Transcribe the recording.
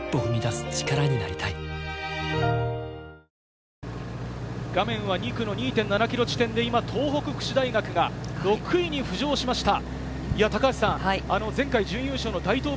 サントリー画面は２区の２．７ｋｍ地点で今、東北福祉大学が６位に浮上しました。